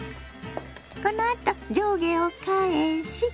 このあと上下を返し